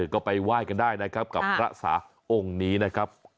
ก็ไปไหว้กันได้นะครับกับพระสาองค์นี้นะครับ